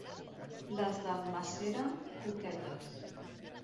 Les d'Almàssera, coquetes.